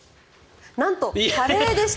なんとカレーでした。